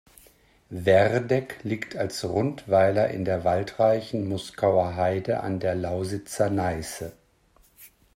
Werdeck liegt als Rundweiler in der waldreichen Muskauer Heide an der Lausitzer Neiße.